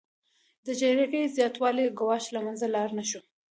د جګړې د زیاتوالي ګواښ له منځه لاړ نشو